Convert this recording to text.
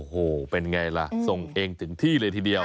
โอ้โหเป็นไงล่ะส่งเองถึงที่เลยทีเดียว